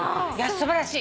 素晴らしい。